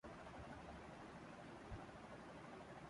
London جیسے شہرمیں بیشمار تھیٹر ہیں‘نائٹ کلب ہیں۔